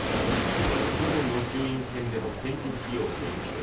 去年の衆院選での選挙費用を巡って